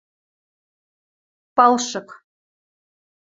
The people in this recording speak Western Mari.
Палшык...